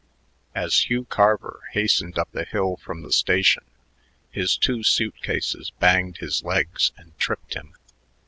As Hugh Carver hastened up the hill from the station, his two suit cases banged his legs and tripped him.